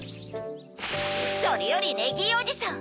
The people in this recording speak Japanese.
それよりネギーおじさん。